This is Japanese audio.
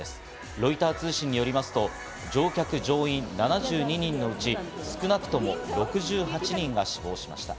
ロイター通信によりますと、乗客乗員７２人のうち、少なくとも６８人が死亡しました。